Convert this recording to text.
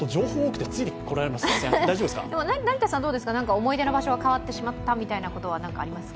思い出の場所が変わってしまったとかありますか？